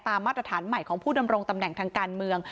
มาตรฐานใหม่ของผู้ดำรงตำแหน่งทางการเมือง